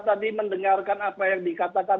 tadi mendengarkan apa yang dikatakan